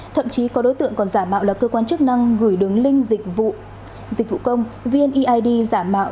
thậm chí có đối tượng còn giả mạo là cơ quan chức năng gửi đường link dịch vụ công vneid giả mạo